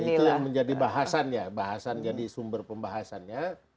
itu yang menjadi bahasan ya bahasan jadi sumber pembahasannya